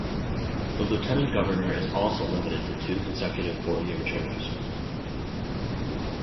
The Lieutenant Governor is also limited to two consecutive four-year terms.